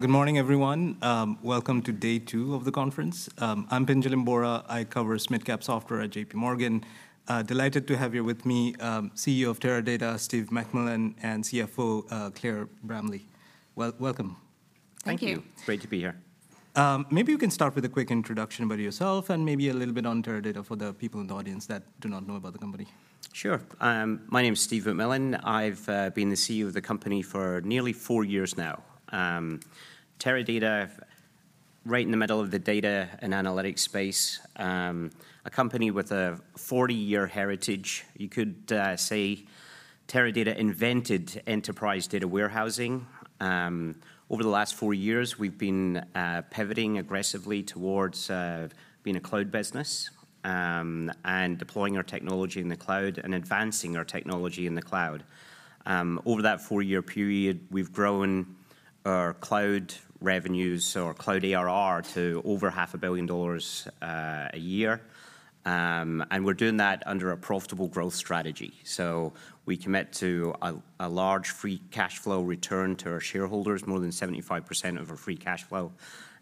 Good morning, everyone. Welcome to day two of the conference. I'm Pinjalim Bora. I cover mid-cap software at JPMorgan. Delighted to have here with me, CEO of Teradata, Steve McMillan, and CFO, Claire Bramley. Welcome. Thank you. Thank you. Great to be here. Maybe you can start with a quick introduction about yourself, and maybe a little bit on Teradata for the people in the audience that do not know about the company. Sure. My name's Steve McMillan. I've been the CEO of the company for nearly four years now. Teradata, right in the middle of the data and analytics space, a company with a 40-year heritage. You could say Teradata invented enterprise data warehousing. Over the last four years, we've been pivoting aggressively towards being a cloud business, and deploying our technology in the cloud and advancing our technology in the cloud. Over that four-year period, we've grown our cloud revenues, or cloud ARR, to over $500 million a year. And we're doing that under a profitable growth strategy. So we commit to a large free cash flow return to our shareholders, more than 75% of our free cash flow.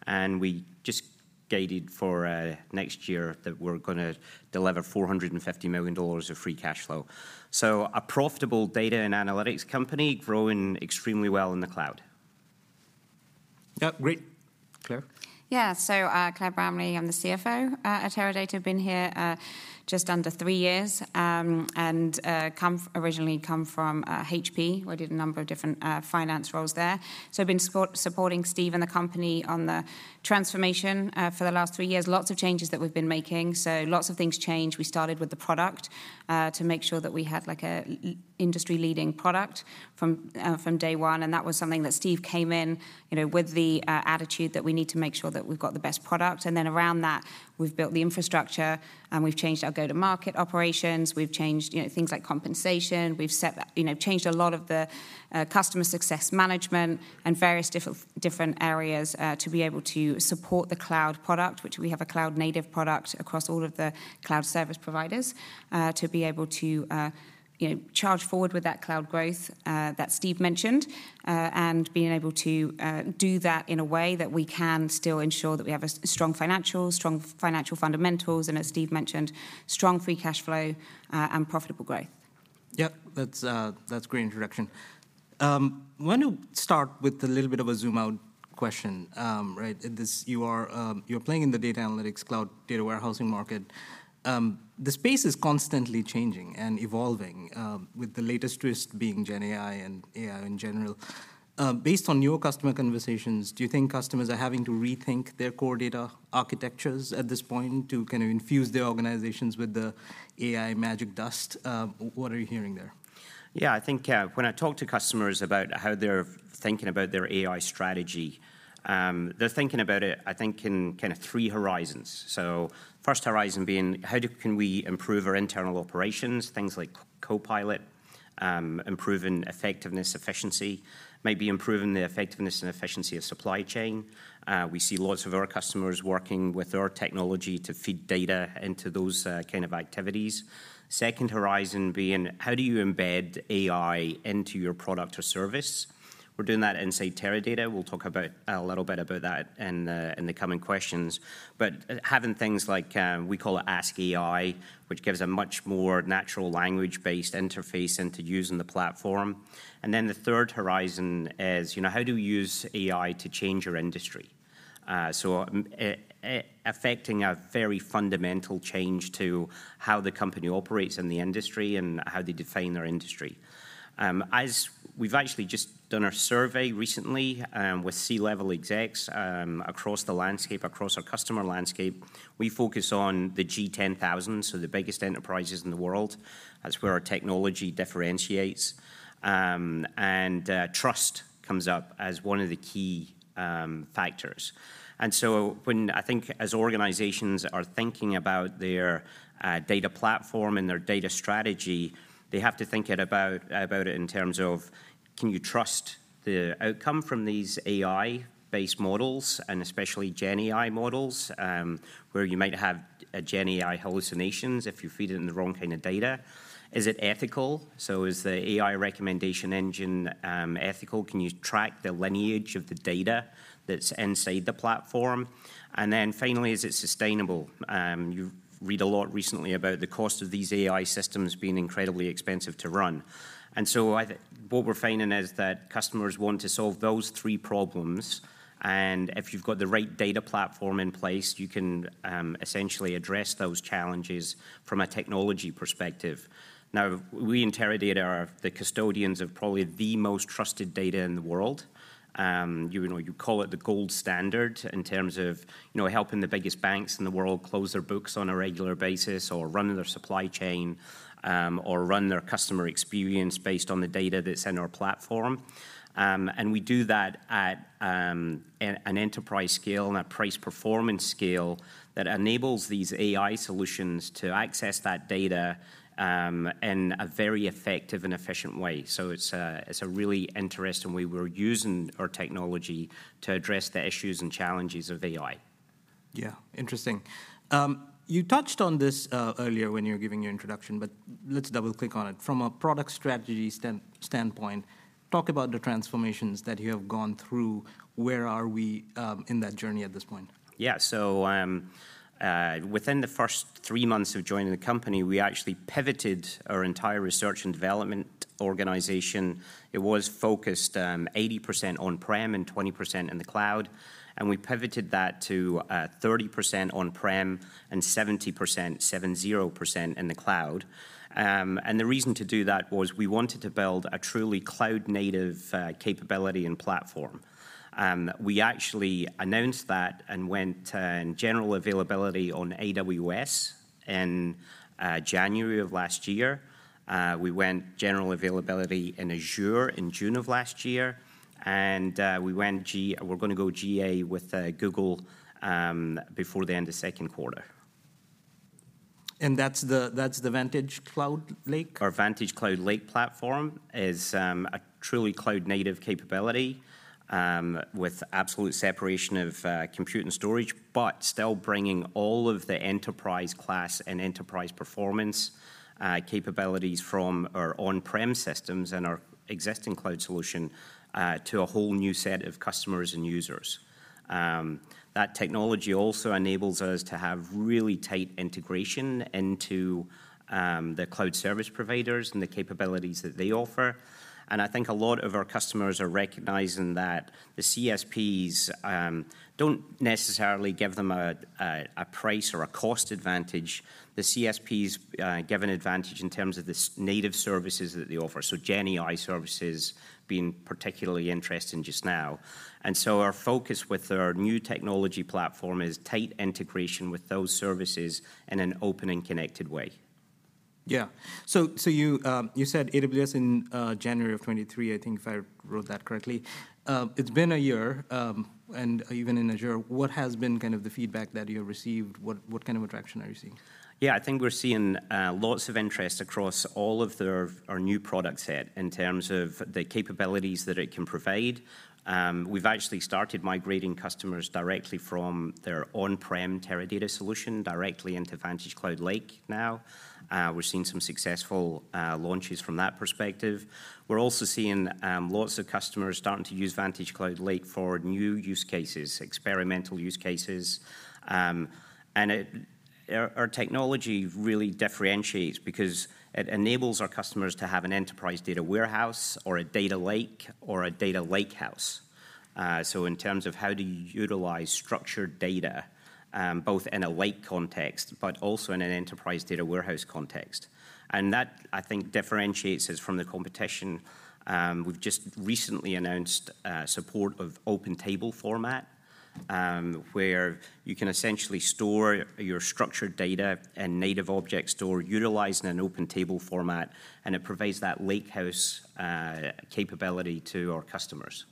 We just guided for next year that we're gonna deliver $450 million of free cash flow. So a profitable data and analytics company growing extremely well in the cloud. Yeah, great. Claire? Yeah. So, Claire Bramley, I'm the CFO at Teradata. Been here just under three years, and originally come from HP, where I did a number of different finance roles there. So I've been supporting Steve and the company on the transformation for the last three years. Lots of changes that we've been making, so lots of things changed. We started with the product to make sure that we had, like, an industry-leading product from day one, and that was something that Steve came in, you know, with the attitude that we need to make sure that we've got the best product. And then around that, we've built the infrastructure, and we've changed our go-to-market operations. We've changed, you know, things like compensation. We've set, you know, changed a lot of the customer success management and various different areas to be able to support the cloud product, which we have a cloud-native product across all of the cloud service providers to be able to, you know, charge forward with that cloud growth that Steve mentioned. And being able to do that in a way that we can still ensure that we have a strong financials, strong financial fundamentals, and as Steve mentioned, strong free cash flow and profitable growth. Yeah, that's, that's a great introduction. Why don't we start with a little bit of a zoom-out question? Right, this... You are, you're playing in the data analytics, cloud data warehousing market. The space is constantly changing and evolving, with the latest twist being GenAI and AI in general. Based on your customer conversations, do you think customers are having to rethink their core data architectures at this point to kind of infuse their organizations with the AI magic dust? What are you hearing there? Yeah, I think, when I talk to customers about how they're thinking about their AI strategy, they're thinking about it, I think, in kind of three horizons. So first horizon being: How can we improve our internal operations? Things like Copilot, improving effectiveness, efficiency, maybe improving the effectiveness and efficiency of supply chain. We see lots of our customers working with our technology to feed data into those kind of activities. Second horizon being: How do you embed AI into your product or service? We're doing that inside Teradata. We'll talk about a little bit about that in the coming questions. But, having things like, we call it ask.ai, which gives a much more natural language-based interface into using the platform. And then the third horizon is, you know: How do you use AI to change your industry? So, affecting a very fundamental change to how the company operates in the industry, and how they define their industry. We've actually just done a survey recently, with C-level execs, across the landscape, across our customer landscape. We focus on the G 10,000, so the biggest enterprises in the world. That's where our technology differentiates. And, trust comes up as one of the key, factors. And so when I think as organizations are thinking about their, data platform and their data strategy, they have to think at about, about it in terms of, can you trust the outcome from these AI-based models, and especially GenAI models, where you might have, GenAI hallucinations if you feed it in the wrong kind of data? Is it ethical? So is the AI recommendation engine, ethical? Can you track the lineage of the data that's inside the platform? And then finally, is it sustainable? You read a lot recently about the cost of these AI systems being incredibly expensive to run. And so what we're finding is that customers want to solve those three problems, and if you've got the right data platform in place, you can essentially address those challenges from a technology perspective. Now, we in Teradata are the custodians of probably the most trusted data in the world. You know, you call it the gold standard in terms of, you know, helping the biggest banks in the world close their books on a regular basis, or run their supply chain, or run their customer experience based on the data that's in our platform. And we do that at an enterprise scale and a price performance scale that enables these AI solutions to access that data in a very effective and efficient way. So it's a really interesting way we're using our technology to address the issues and challenges of AI. Yeah, interesting. You touched on this earlier when you were giving your introduction, but let's double-click on it. From a product strategy standpoint, talk about the transformations that you have gone through. Where are we in that journey at this point? Yeah, so, within the first three months of joining the company, we actually pivoted our entire research and development organization. It was focused, 80% on-prem and 20% in the cloud, and we pivoted that to, 30% on-prem and 70%, 70%, in the cloud. And the reason to do that was we wanted to build a truly cloud-native, capability and platform. We actually announced that and went, in general availability on AWS in, January of last year. We went general availability in Azure in June of last year, and, we're gonna go GA with, Google, before the end of second quarter. That's the VantageCloud Lake? Our VantageCloud Lake platform is a truly cloud-native capability with absolute separation of compute and storage, but still bringing all of the enterprise class and enterprise performance capabilities from our on-prem systems and our existing cloud solution to a whole new set of customers and users. That technology also enables us to have really tight integration into the cloud service providers and the capabilities that they offer, and I think a lot of our customers are recognizing that the CSPs don't necessarily give them a price or a cost advantage. The CSPs give an advantage in terms of the native services that they offer, so Gen AI services being particularly interesting just now. And so our focus with our new technology platform is tight integration with those services in an open and connected way. Yeah. So you said AWS in January of 2023, I think, if I wrote that correctly. It's been a year, and even in Azure, what has been kind of the feedback that you've received? What kind of attraction are you seeing? Yeah, I think we're seeing lots of interest across all of our new product set in terms of the capabilities that it can provide. We've actually started migrating customers directly from their on-prem Teradata solution directly into VantageCloud Lake now. We're seeing some successful launches from that perspective. We're also seeing lots of customers starting to use VantageCloud Lake for new use cases, experimental use cases. And our technology really differentiates because it enables our customers to have an enterprise data warehouse or a data lake or a data lakehouse. So in terms of how do you utilize structured data, both in a lake context but also in an enterprise data warehouse context, and that, I think, differentiates us from the competition. We've just recently announced support of open table format, where you can essentially store your structured data and Native Object Store utilizing an open table format, and it provides that lakehouse capability to our customers.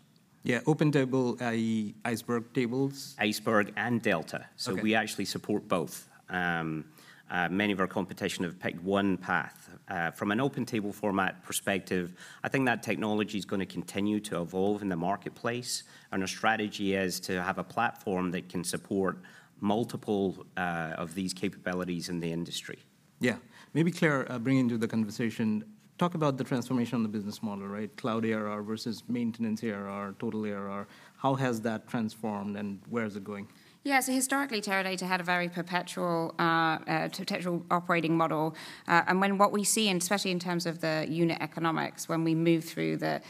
Yeah, open table, i.e., Iceberg tables? Iceberg and Delta. Okay. So we actually support both. Many of our competition have picked one path. From an open table format perspective, I think that technology's gonna continue to evolve in the marketplace, and our strategy is to have a platform that can support multiple of these capabilities in the industry. Yeah. Maybe, Claire, bringing you into the conversation, talk about the transformation on the business model, right? Cloud ARR versus maintenance ARR, total ARR. How has that transformed, and where is it going? Yeah, so historically, Teradata had a very perpetual, perpetual operating model. And what we see, and especially in terms of the unit economics, when we move through the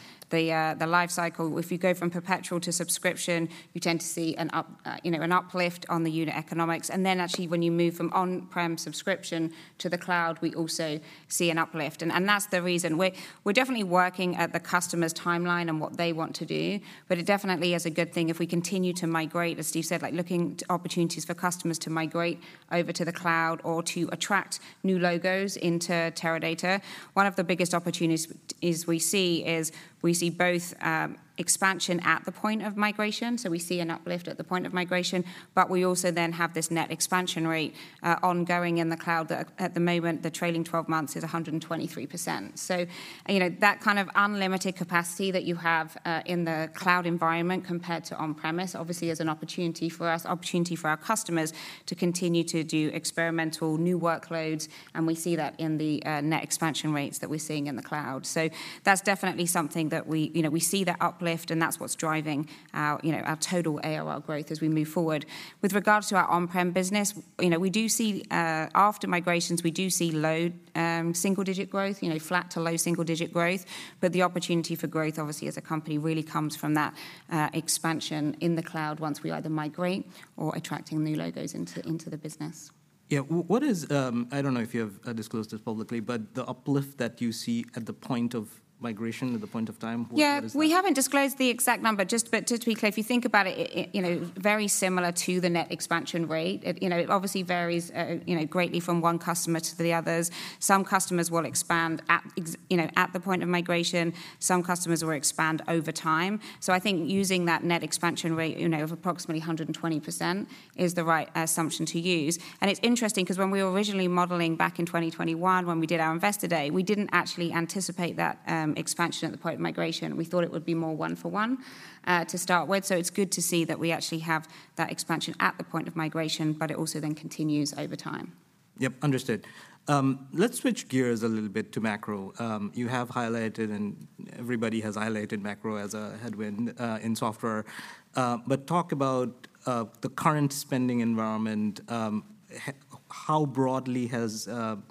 life cycle, if you go from perpetual to subscription, you tend to see an up, you know, an uplift on the unit economics. And then, actually, when you move from on-prem subscription to the cloud, we also see an uplift, and that's the reason. We're definitely working at the customer's timeline and what they want to do, but it definitely is a good thing if we continue to migrate, as Steve said, like, looking to opportunities for customers to migrate over to the cloud or to attract new logos into Teradata. One of the biggest opportunities is we see is, we see both, expansion at the point of migration, so we see an uplift at the point of migration, but we also then have this net expansion rate, ongoing in the cloud, that at the moment, the trailing 12 months is 123%. So, you know, that kind of unlimited capacity that you have, in the cloud environment compared to on-premise obviously is an opportunity for us, opportunity for our customers to continue to do experimental new workloads, and we see that in the, net expansion rates that we're seeing in the cloud. So that's definitely something that we... You know, we see that uplift, and that's what's driving our, you know, our total ARR growth as we move forward. With regards to our on-prem business, you know, we do see, after migrations, we do see low, single-digit growth, you know, flat to low single-digit growth. But the opportunity for growth, obviously, as a company, really comes from that, expansion in the cloud once we either migrate or attracting new logos into, into the business. Yeah. What is... I don't know if you have disclosed this publicly, but the uplift that you see at the point of migration, at the point of time, what is that? Yeah, we haven't disclosed the exact number, just, but just to be clear, if you think about it, it, you know, very similar to the net expansion rate. It, you know, it obviously varies, you know, greatly from one customer to the others. Some customers will expand at ex- you know, at the point of migration. Some customers will expand over time. So I think using that net expansion rate, you know, of approximately 120% is the right assumption to use. And it's interesting because when we were originally modeling back in 2021, when we did our Investor Day, we didn't actually anticipate that, expansion at the point of migration. We thought it would be more one-for-one, to start with. So it's good to see that we actually have that expansion at the point of migration, but it also then continues over time. Yep, understood. Let's switch gears a little bit to macro. You have highlighted, and everybody has highlighted macro as a headwind in software. But talk about the current spending environment. How broadly has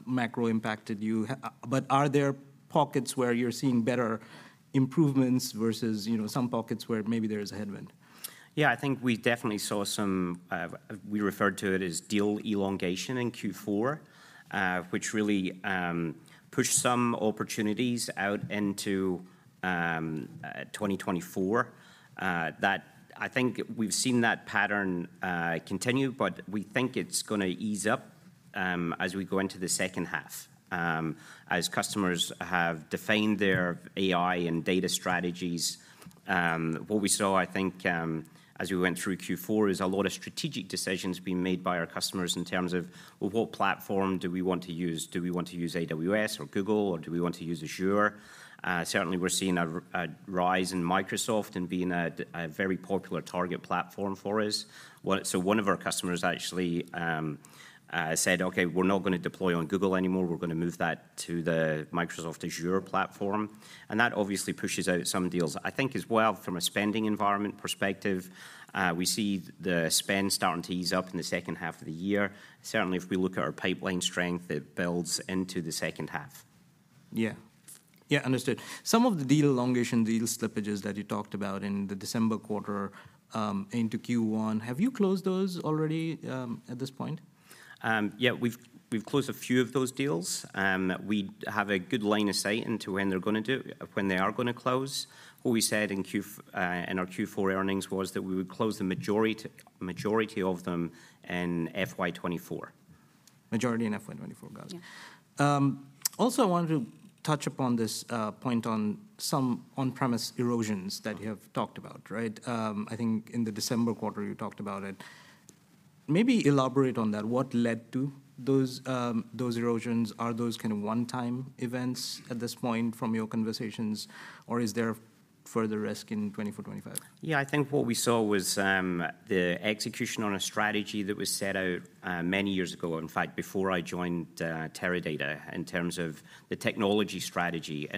macro impacted you? But are there pockets where you're seeing better improvements versus, you know, some pockets where maybe there is a headwind? Yeah, I think we definitely saw some, we referred to it as deal elongation in Q4, which really pushed some opportunities out into 2024. That, I think we've seen that pattern continue, but we think it's gonna ease up as we go into the second half. As customers have defined their AI and data strategies, what we saw, I think, as we went through Q4, is a lot of strategic decisions being made by our customers in terms of, "Well, what platform do we want to use? Do we want to use AWS or Google, or do we want to use Azure?" Certainly we're seeing a rise in Microsoft in being a very popular target platform for us. So one of our customers actually said, "Okay, we're not gonna deploy on Google anymore. We're gonna move that to the Microsoft Azure platform," and that obviously pushes out some deals. I think as well, from a spending environment perspective, we see the spend starting to ease up in the second half of the year. Certainly, if we look at our pipeline strength, it builds into the second half. Yeah. Yeah, understood. Some of the deal elongation, deal slippages that you talked about in the December quarter into Q1, have you closed those already at this point? Yeah, we've closed a few of those deals. We have a good line of sight into when they are gonna close. What we said in our Q4 earnings was that we would close the majority of them in FY 2024. Majority in FY 2024. Got it. Yeah. Also, I wanted to touch upon this point on some on-premise erosions that you have talked about, right? I think in the December quarter you talked about it. Maybe elaborate on that. What led to those those erosions? Are those kind of one-time events at this point from your conversations, or is there further risk in 2024, 2025? Yeah, I think what we saw was the execution on a strategy that was set out many years ago, in fact, before I joined Teradata, in terms of the technology strategy.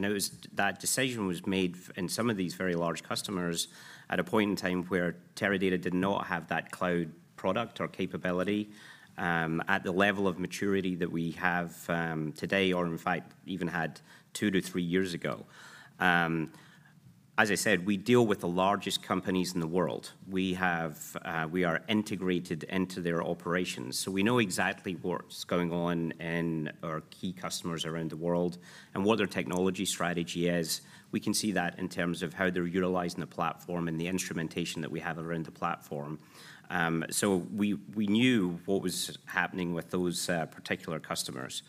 That decision was made in some of these very large customers at a point in time where Teradata did not have that cloud product or capability at the level of maturity that we have today, or in fact, even had two to three years ago. As I said, we deal with the largest companies in the world. We have, we are integrated into their operations, so we know exactly what's going on in our key customers around the world and what their technology strategy is. We can see that in terms of how they're utilizing the platform and the instrumentation that we have around the platform. So we knew what was happening with those particular customers.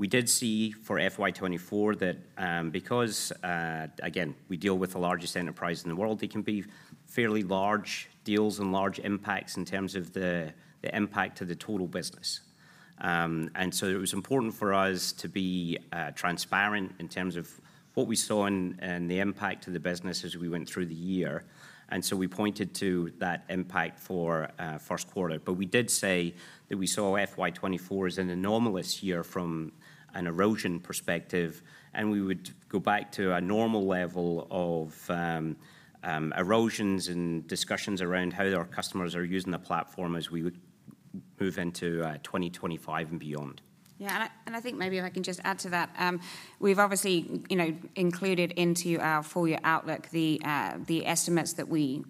We did see, for FY 2024, that, because, again, we deal with the largest enterprises in the world, they can be fairly large deals and large impacts in terms of the impact to the total business. And so it was important for us to be transparent in terms of what we saw and the impact to the business as we went through the year, and so we pointed to that impact for first quarter. But we did say that we saw FY 2024 as an anomalous year from an erosion perspective, and we would go back to a normal level of erosions and discussions around how our customers are using the platform as we would move into 2025 and beyond. Yeah, and I, and I think maybe if I can just add to that. We've obviously, you know, included into our full-year outlook the estimates that we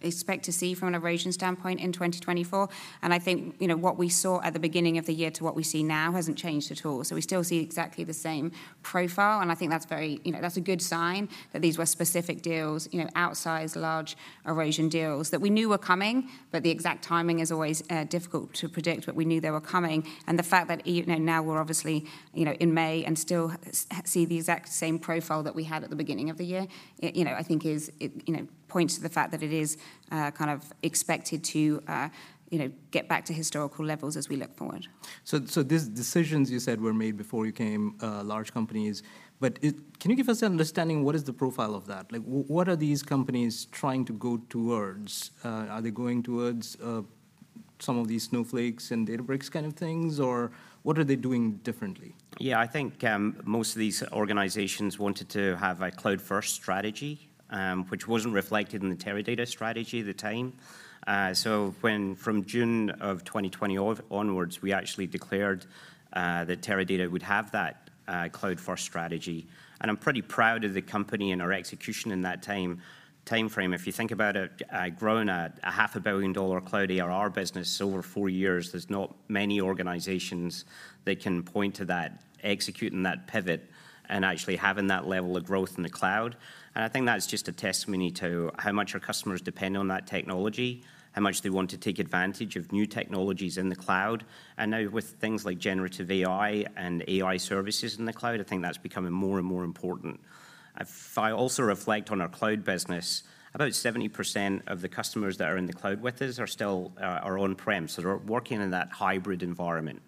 expect to see from an erosion standpoint in 2024, and I think, you know, what we saw at the beginning of the year to what we see now hasn't changed at all. So we still see exactly the same profile, and I think that's very... You know, that's a good sign, that these were specific deals, you know, outsized, large erosion deals that we knew were coming, but the exact timing is always difficult to predict, but we knew they were coming. And the fact that, you know, now we're obviously, you know, in May, and still see the exact same profile that we had at the beginning of the year, it, you know, I think is, it, you know, points to the fact that it is kind of expected to, you know, get back to historical levels as we look forward. So these decisions you said were made before you came, large companies, but can you give us an understanding, what is the profile of that? Like, what are these companies trying to go towards? Are they going towards some of these Snowflake and Databricks kind of things, or what are they doing differently? Yeah, I think most of these organizations wanted to have a cloud-first strategy, which wasn't reflected in the Teradata strategy at the time. So, from June of 2020 onwards, we actually declared that Teradata would have that cloud-first strategy, and I'm pretty proud of the company and our execution in that time, timeframe. If you think about it, growing a $500 million cloud ARR business over four years, there's not many organizations that can point to that, executing that pivot, and actually having that level of growth in the cloud. And I think that's just a testimony to how much our customers depend on that technology, how much they want to take advantage of new technologies in the cloud. And now with things like generative AI and AI services in the cloud, I think that's becoming more and more important. If I also reflect on our cloud business, about 70% of the customers that are in the cloud with us are still are on-prem, so they're working in that hybrid environment.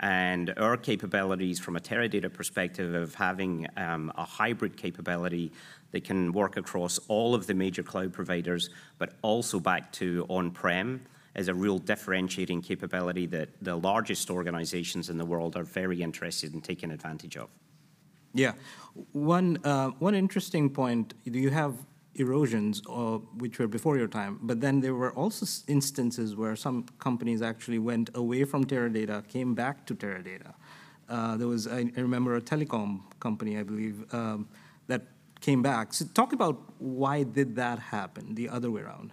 And our capabilities from a Teradata perspective of having a hybrid capability that can work across all of the major cloud providers, but also back to on-prem, is a real differentiating capability that the largest organizations in the world are very interested in taking advantage of. Yeah. One interesting point, you have erosions, which were before your time, but then there were also instances where some companies actually went away from Teradata, came back to Teradata. There was, I remember a telecom company, I believe, that came back. So talk about why did that happen the other way around?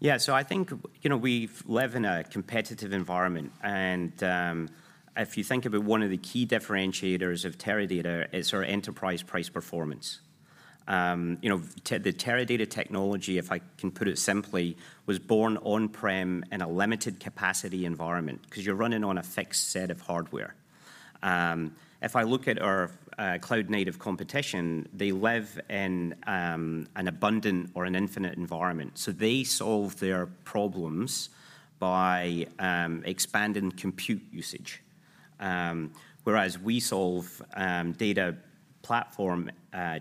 Yeah, so I think, you know, we live in a competitive environment, and if you think about one of the key differentiators of Teradata is our enterprise price performance. You know, the Teradata technology, if I can put it simply, was born on-prem in a limited capacity environment, 'cause you're running on a fixed set of hardware. If I look at our cloud-native competition, they live in an abundant or an infinite environment, so they solve their problems by expanding compute usage. Whereas we solve data platform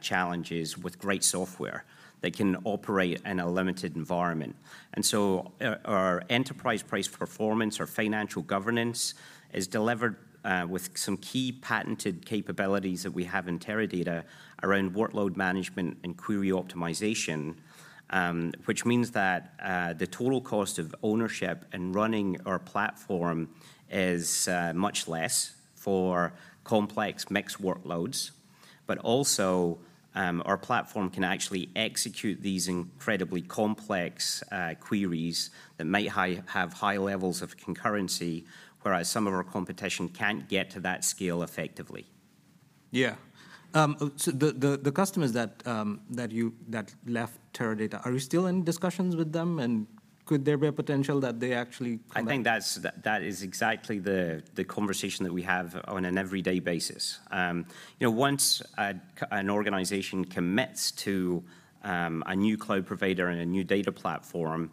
challenges with great software that can operate in a limited environment. And so our enterprise price performance, our financial governance, is delivered with some key patented capabilities that we have in Teradata around workload management and query optimization, which means that the total cost of ownership and running our platform is much less for complex mixed workloads. But also, our platform can actually execute these incredibly complex queries that might have high levels of concurrency, whereas some of our competition can't get to that scale effectively. Yeah. So the customers that left Teradata, are you still in discussions with them, and could there be a potential that they actually come back? I think that is exactly the conversation that we have on an everyday basis. You know, once an organization commits to a new cloud provider and a new data platform,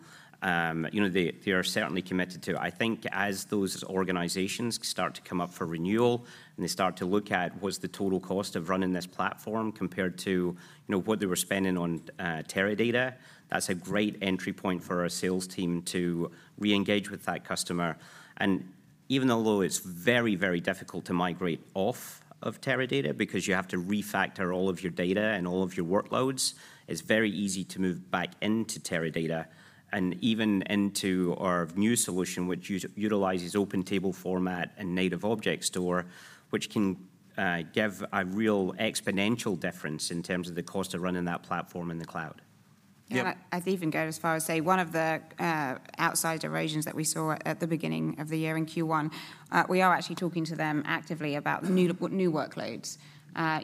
you know, they are certainly committed to it. I think as those organizations start to come up for renewal, and they start to look at what's the total cost of running this platform compared to, you know, what they were spending on Teradata, that's a great entry point for our sales team to re-engage with that customer. And even although it's very, very difficult to migrate off of Teradata, because you have to refactor all of your data and all of your workloads, it's very easy to move back into Teradata, and even into our new solution, which utilizes open table format and Native Object Store, which can give a real exponential difference in terms of the cost of running that platform in the cloud. Yep. Yeah, I'd even go as far as say one of the outside erosions that we saw at the beginning of the year in Q1, we are actually talking to them actively about- Mm... new workloads.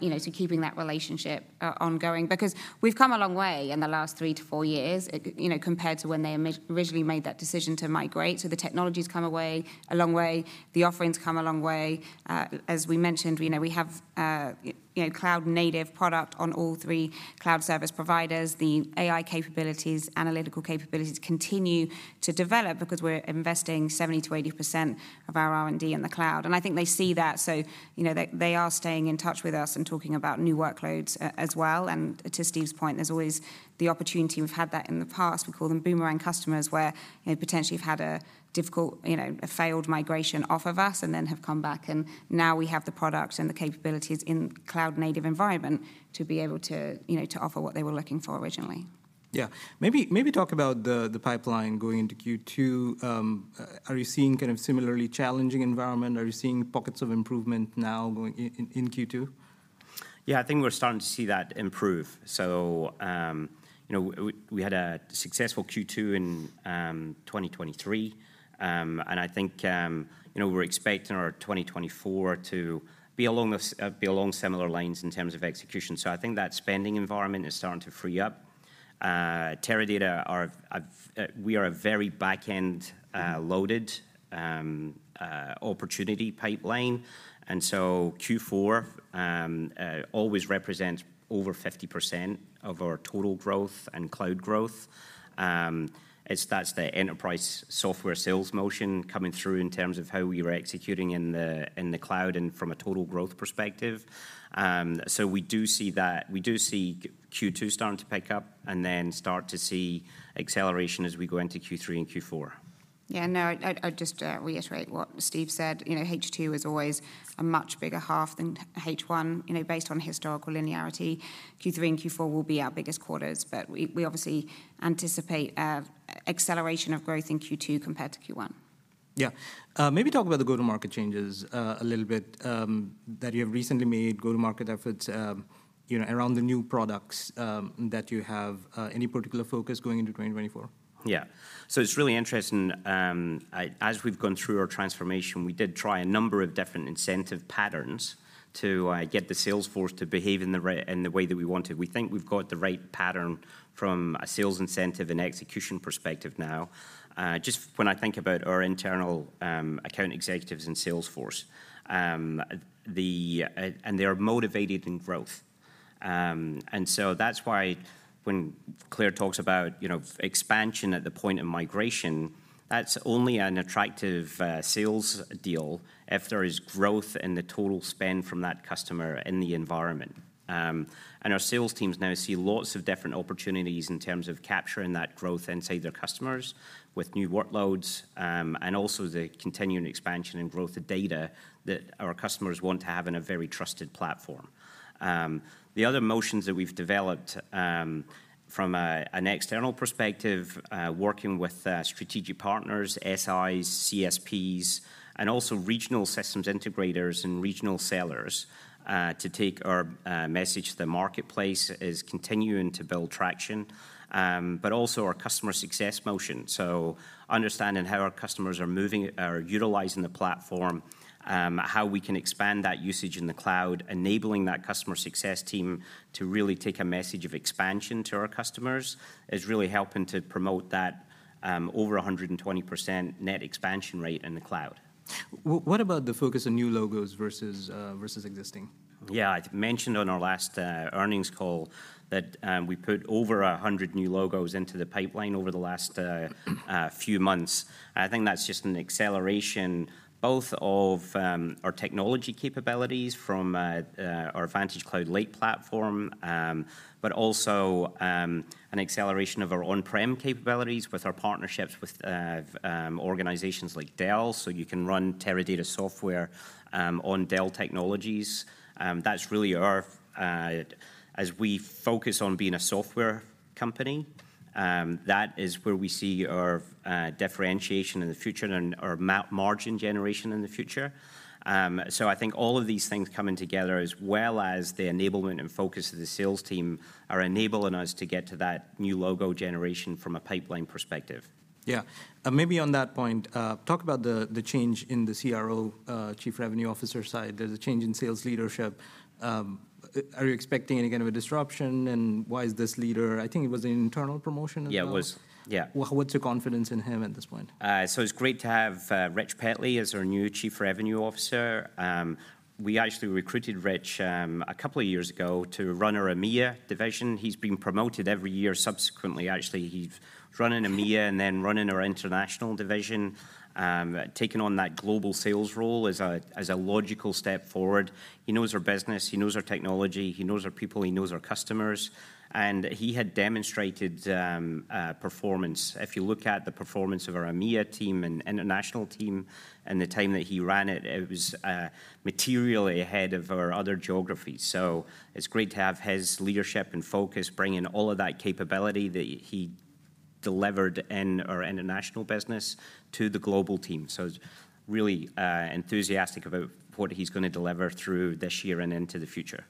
You know, so keeping that relationship ongoing, because we've come a long way in the last three to four years, it, you know, compared to when they originally made that decision to migrate. So the technology's come a long way. The offering's come a long way. As we mentioned, you know, we have, you know, cloud-native product on all three cloud service providers. The AI capabilities, analytical capabilities, continue to develop because we're investing 70%-80% of our R&D in the cloud, and I think they see that, so, you know, they, they are staying in touch with us and talking about new workloads as well. To Steve's point, there's always the opportunity. We've had that in the past. We call them boomerang customers, where they potentially have had a difficult, you know, a failed migration off of us and then have come back. And now we have the product and the capabilities in cloud-native environment to be able to, you know, to offer what they were looking for originally. Yeah. Maybe talk about the pipeline going into Q2. Are you seeing kind of similarly challenging environment? Are you seeing pockets of improvement now going into Q2? Yeah, I think we're starting to see that improve. So, you know, we had a successful Q2 in 2023. And I think, you know, we're expecting our 2024 to be along similar lines in terms of execution. So I think that spending environment is starting to free up. We are a very back-end loaded opportunity pipeline, and so Q4 always represents over 50% of our total growth and cloud growth. It's, that's the enterprise software sales motion coming through in terms of how we are executing in the cloud and from a total growth perspective. So we do see that. We do see Q2 starting to pick up and then start to see acceleration as we go into Q3 and Q4. Yeah, no, I'd just reiterate what Steve said. You know, H2 is always a much bigger half than H1. You know, based on historical linearity, Q3 and Q4 will be our biggest quarters, but we obviously anticipate an acceleration of growth in Q2 compared to Q1. Yeah. Maybe talk about the go-to-market changes, a little bit, that you have recently made, go-to-market efforts, you know, around the new products, that you have. Any particular focus going into 2024? Yeah. So it's really interesting, as we've gone through our transformation, we did try a number of different incentive patterns to get the sales force to behave in the right, in the way that we wanted. We think we've got the right pattern from a sales incentive and execution perspective now. Just when I think about our internal account executives and sales force, the... And they are motivated in growth.... And so that's why when Claire talks about, you know, expansion at the point of migration, that's only an attractive sales deal if there is growth in the total spend from that customer in the environment. And our sales teams now see lots of different opportunities in terms of capturing that growth inside their customers with new workloads, and also the continuing expansion and growth of data that our customers want to have in a very trusted platform. The other motions that we've developed, from an external perspective, working with strategic partners, SIs, CSPs, and also regional systems integrators and regional sellers, to take our message to the marketplace, is continuing to build traction. But also our customer success motion, so understanding how our customers are utilizing the platform, how we can expand that usage in the cloud, enabling that customer success team to really take a message of expansion to our customers, is really helping to promote that over 120% net expansion rate in the cloud. What about the focus on new logos versus, versus existing? Yeah, I mentioned on our last earnings call that we put over 100 new logos into the pipeline over the last few months. And I think that's just an acceleration both of our technology capabilities from our VantageCloud Lake platform, but also an acceleration of our on-prem capabilities with our partnerships with organizations like Dell. So you can run Teradata software on Dell Technologies. That's really our... As we focus on being a software company, that is where we see our differentiation in the future and our margin generation in the future. So I think all of these things coming together, as well as the enablement and focus of the sales team, are enabling us to get to that new logo generation from a pipeline perspective. Yeah. Maybe on that point, talk about the change in the CRO, Chief Revenue Officer side. There's a change in sales leadership. Are you expecting any kind of a disruption, and why is this leader... I think it was an internal promotion as well. Yeah, it was. Yeah. What's your confidence in him at this point? So it's great to have Rich Petley as our new Chief Revenue Officer. We actually recruited Rich a couple of years ago to run our EMEA division. He's been promoted every year subsequently. Actually, he's run in EMEA and then run in our international division. Taking on that global sales role is a logical step forward. He knows our business, he knows our technology, he knows our people, he knows our customers, and he had demonstrated performance. If you look at the performance of our EMEA team and international team in the time that he ran it, it was materially ahead of our other geographies. So it's great to have his leadership and focus, bringing all of that capability that he delivered in our international business to the global team. Really enthusiastic about what he's gonna deliver through this year and into the future.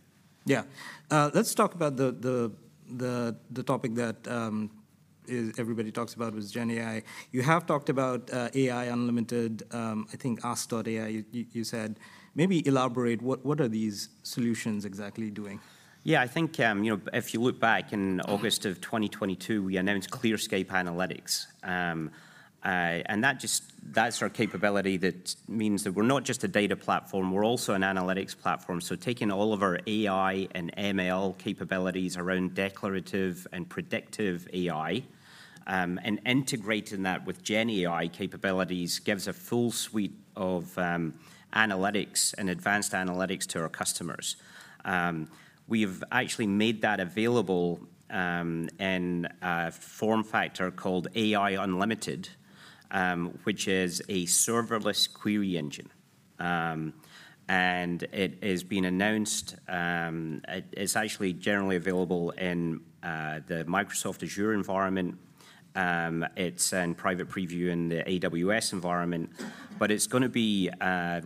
Yeah. Let's talk about the topic that everybody talks about is GenAI. You have talked about AI Unlimited, I think ask.ai, you said. Maybe elaborate, what are these solutions exactly doing? Yeah, I think, you know, if you look back in August of 2022, we announced ClearScape Analytics. And that just, that's our capability that means that we're not just a data platform, we're also an analytics platform. So taking all of our AI and ML capabilities around declarative and predictive AI, and integrating that with GenAI capabilities, gives a full suite of, analytics and advanced analytics to our customers. We've actually made that available, in a form factor called AI Unlimited, which is a serverless query engine. And it is being announced. It's actually generally available in, the Microsoft Azure environment. It's in private preview in the AWS environment, but it's gonna be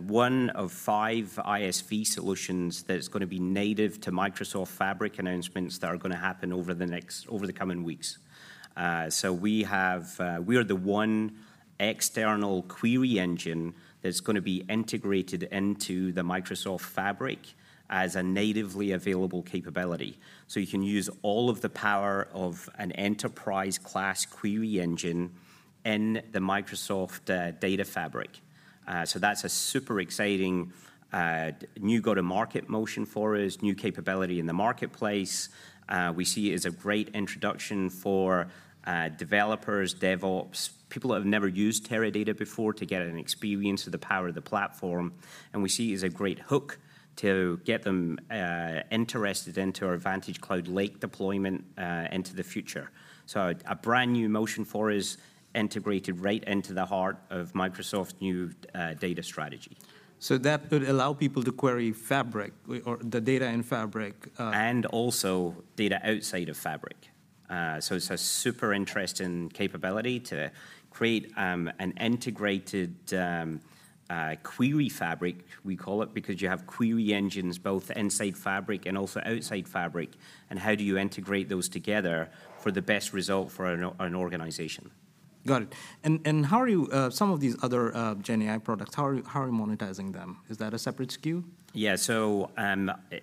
one of five ISV solutions that is gonna be native to Microsoft Fabric announcements that are gonna happen over the coming weeks. So we are the one external query engine that's gonna be integrated into the Microsoft Fabric as a natively available capability. So you can use all of the power of an enterprise-class query engine in the Microsoft Data Fabric. So that's a super exciting new go-to-market motion for us, new capability in the marketplace. We see it as a great introduction for developers, DevOps, people that have never used Teradata before to get an experience of the power of the platform. We see it as a great hook to get them interested into our VantageCloud Lake deployment into the future. A brand-new motion for us, integrated right into the heart of Microsoft's new data strategy. So that could allow people to query Fabric, or the data in Fabric. And also data outside of Fabric. So it's a super interesting capability to create an integrated query fabric, we call it, because you have query engines both inside Fabric and also outside Fabric, and how do you integrate those together for the best result for an organization? Got it. And, and how are you, some of these other, Gen AI products, how are you, how are you monetizing them? Is that a separate SKU? Yeah, so,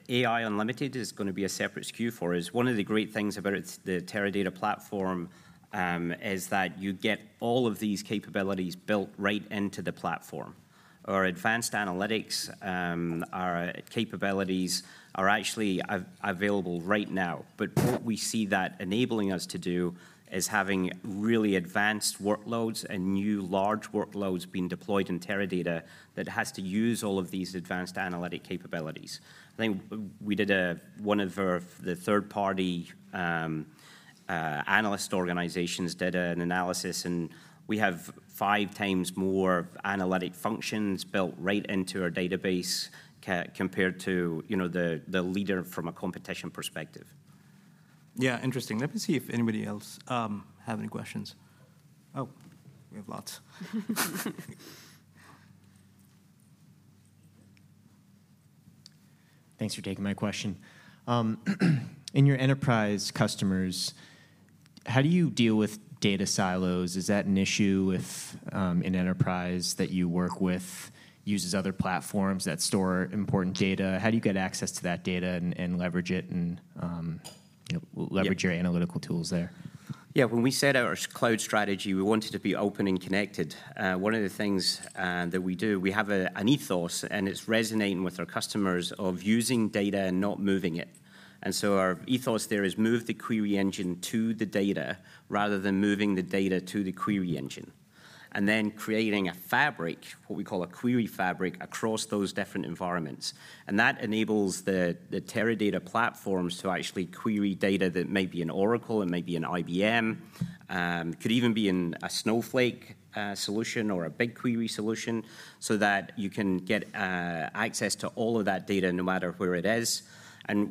AI Unlimited is gonna be a separate SKU for us. One of the great things about it is the Teradata platform is that you get all of these capabilities built right into the platform. Our advanced analytics, our capabilities are actually available right now. But what we see that enabling us to do is having really advanced workloads and new large workloads being deployed in Teradata that has to use all of these advanced analytic capabilities. I think we did one of our, the third-party, analyst organizations did an analysis, and we have five times more analytic functions built right into our database compared to, you know, the leader from a competition perspective. Yeah, interesting. Let me see if anybody else have any questions. Oh, we have lots. Thanks for taking my question. In your enterprise customers, how do you deal with data silos? Is that an issue with an enterprise that you work with, uses other platforms that store important data? How do you get access to that data and you know- Yeah... leverage your analytical tools there? Yeah, when we set our cloud strategy, we wanted to be open and connected. One of the things that we do, we have an ethos, and it's resonating with our customers, of using data and not moving it. And so our ethos there is move the query engine to the data rather than moving the data to the query engine. And then creating a fabric, what we call a query fabric, across those different environments. And that enables the Teradata platforms to actually query data that might be in Oracle and might be in IBM, could even be in a Snowflake solution or a BigQuery solution, so that you can get access to all of that data, no matter where it is.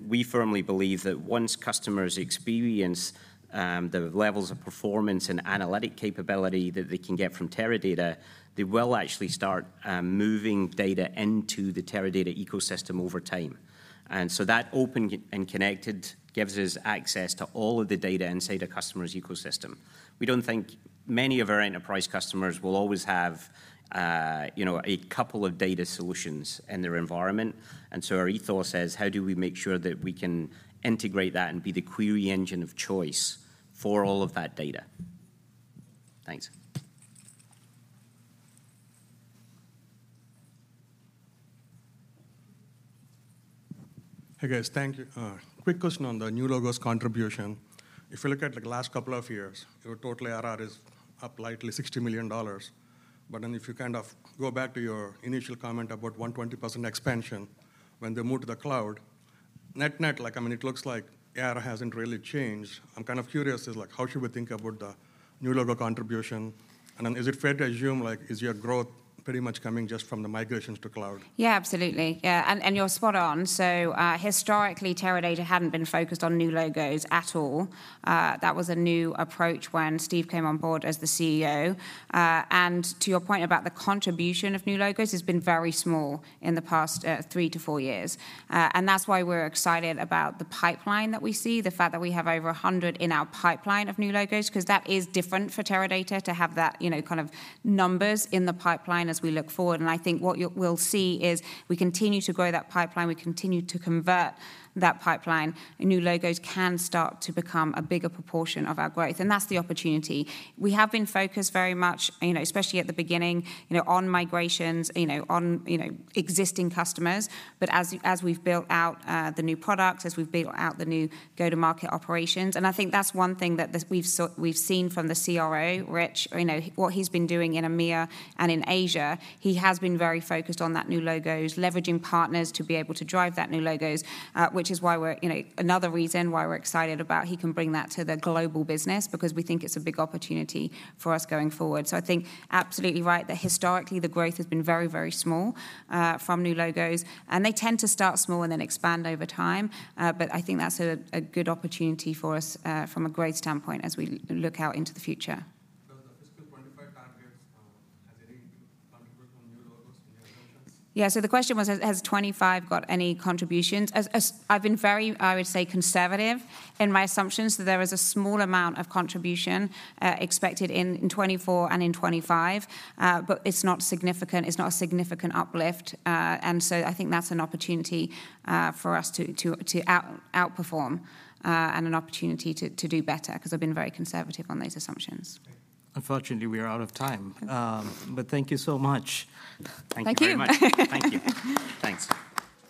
We firmly believe that once customers experience the levels of performance and analytic capability that they can get from Teradata, they will actually start moving data into the Teradata ecosystem over time. And so that open and connected gives us access to all of the data inside a customer's ecosystem. We don't think many of our enterprise customers will always have, you know, a couple of data solutions in their environment, and so our ethos is: how do we make sure that we can integrate that and be the query engine of choice for all of that data? Thanks. Hey, guys. Thank you. Quick question on the new logos contribution. If you look at the last couple of years, your total ARR is up slightly $60 million. But then if you kind of go back to your initial comment about 120% expansion when they move to the cloud, net-net, like, I mean, it looks like ARR hasn't really changed. I'm kind of curious as like, how should we think about the new logo contribution? And then is it fair to assume, like, is your growth pretty much coming just from the migrations to cloud? Yeah, absolutely. Yeah, and, and you're spot on. So, historically, Teradata hadn't been focused on new logos at all. That was a new approach when Steve came on board as the CEO. And to your point about the contribution of new logos, it's been very small in the past three to four years. And that's why we're excited about the pipeline that we see, the fact that we have over 100 in our pipeline of new logos, 'cause that is different for Teradata to have that, you know, kind of numbers in the pipeline as we look forward. And I think what we'll see is, we continue to grow that pipeline, we continue to convert that pipeline, and new logos can start to become a bigger proportion of our growth, and that's the opportunity. We have been focused very much, you know, especially at the beginning, you know, on migrations, you know, on, you know, existing customers. But as we've built out the new products, as we've built out the new go-to-market operations. And I think that's one thing that we've seen from the CRO, Rich, you know, what he's been doing in EMEA and in Asia, he has been very focused on that new logos, leveraging partners to be able to drive that new logos. Which is why we're, you know, another reason why we're excited about he can bring that to the global business, because we think it's a big opportunity for us going forward. So I think absolutely right, that historically the growth has been very, very small from new logos, and they tend to start small and then expand over time. But I think that's a good opportunity for us, from a growth standpoint as we look out into the future. Does the fiscal 2025 targets has any contribution from new logos and new erosions? Yeah, so the question was, "Has 2025 got any contributions?" I've been very, I would say, conservative in my assumptions, that there is a small amount of contribution expected in 2024 and in 2025. But it's not significant. It's not a significant uplift. And so I think that's an opportunity for us to outperform, and an opportunity to do better, 'cause I've been very conservative on those assumptions. Unfortunately, we are out of time. Okay. But thank you so much. Thank you very much. Thank you. Thank you. Thanks.